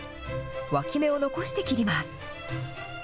脇芽を残して切ります。